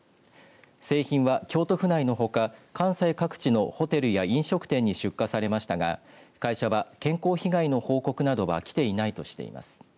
製品は京都府内のほか関西各地のホテルや飲食店に出荷されましたが会社は健康被害の報告などはきていないとしています。